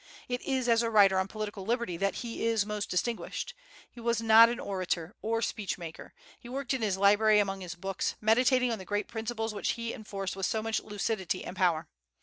It is as a writer on political liberty that he is most distinguished. He was not an orator or speech maker. He worked in his library among his books, meditating on the great principles which he enforced with so much lucidity and power.